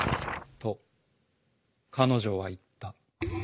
「と彼女はいった」。